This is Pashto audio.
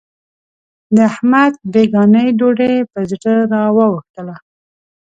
د احمد بېګانۍ ډوډۍ په زړه را وا وښتله.